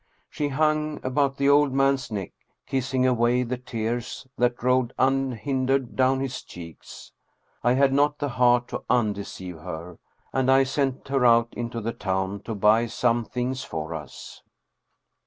She hung about the old man's neck, kissing away the tears that rolled unhindered down his cheeks. I had not the heart to undeceive her, and I sent her out into the town to buy some things for us.